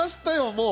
もう。